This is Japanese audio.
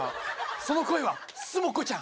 その声はすも子ちゃん。